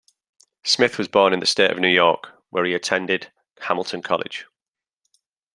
Smith was born in the state of New York, where he attended Hamilton College.